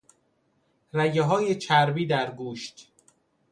رگههای چربی در گوشت